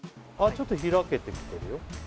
ちょっと開けてきてるよ